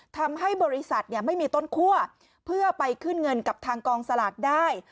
ทำให้บริษัทไม่มีต้นคั่วเพื่อไปขึ้นเงินกับทางกองสลากได้